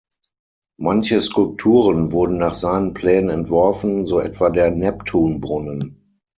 Manche Skulpturen wurden nach seinen Plänen entworfen, so etwa der Neptunbrunnen.